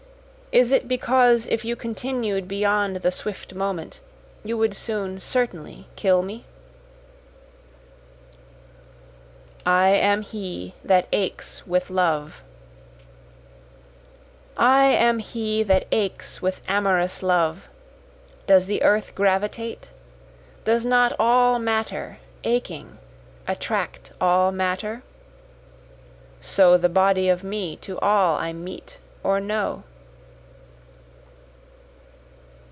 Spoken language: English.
Is it because if you continued beyond the swift moment you would soon certainly kill me? I Am He That Aches with Love I am he that aches with amorous love; Does the earth gravitate? does not all matter, aching, attract all matter? So the body of me to all I meet or know.